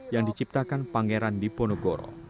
yang diciptakan pangeran diponegoro